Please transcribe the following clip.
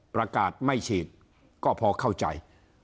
ประกาศไม่ฉีดก็พอเข้าใจ